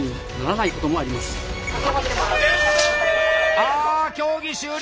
あ競技終了！